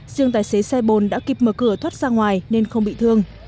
riêng tài xế xe bồn đã kịp mở cửa thoát ra ngoài nên không bị thương